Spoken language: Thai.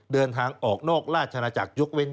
เดินทางออกนอกราชนาจักรยกเว้น